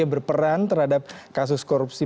yang berperan terhadap kasus korupsi